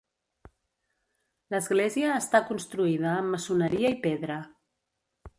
L'església està construïda amb maçoneria i pedra.